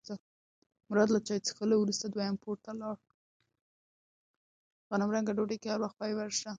غنمرنګه ډوډۍ کې هر وخت فایبر شته.